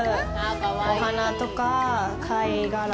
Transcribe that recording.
お花とか、貝殻。